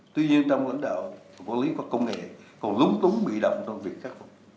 tuy nhiên trong lãnh đạo quân lý và công nghệ còn lúng túng bị đập trong việc khắc phục